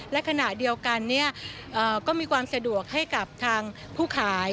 และขณะเดียวกันก็มีความสะดวกให้กับทางผู้ขาย